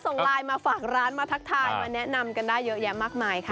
ส่งไลน์มาฝากร้านมาทักทายมาแนะนำกันได้เยอะแยะมากมายค่ะ